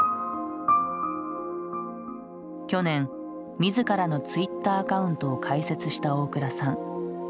去年自らのツイッターアカウントを開設した大倉さん。